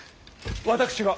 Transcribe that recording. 私が！